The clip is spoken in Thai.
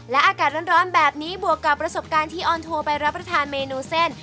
อากาศร้อนแบบนี้บวกกับประสบการณ์ที่ออนโทรไปรับประทานเมนูเส้น